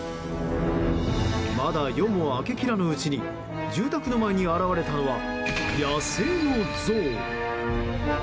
まだ夜も明けきらぬうちに住宅の前に現れたのは野生のゾウ。